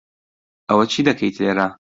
ئەوە چی دەکەیت لێرە؟